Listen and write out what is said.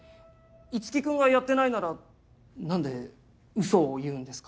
樹君がやってないなら何でウソを言うんですか？